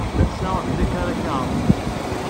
Ass-a, d nekk ara k-id-iɛerḍen.